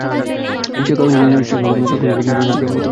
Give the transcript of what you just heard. সে কাগজপত্রের জন্য প্রেম করতো।